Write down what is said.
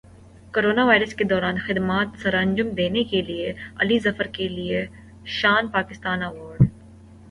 corona virus کے دوران خدمات سرانجام دینے پر علی ظفر کیلئے شان پاکستان ایوارڈ